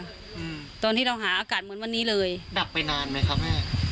อืมตอนที่เราหาอากาศเหมือนวันนี้เลยดับไปนานไหมครับแม่